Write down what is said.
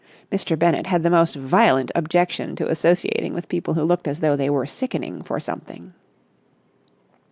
Mr. Bennett had the most violent objection to associating with people who looked as though they were sickening for something.